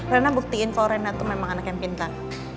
rena buktiin kalau rena tuh memang anak yang pintar